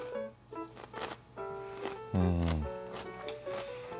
うん！